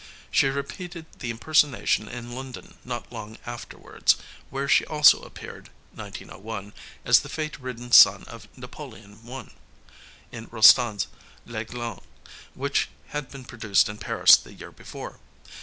She repeated the impersonation in London not long afterwards, where she also appeared (1901) as the fate ridden son of Napoleon I., in Rostand's L'Aiglon, which had been produced in Paris the year before.